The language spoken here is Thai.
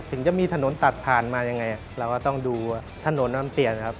ถึงจะมีถนนตัดผ่านมายังไงเราก็ต้องดูว่าถนนมันเปลี่ยนครับ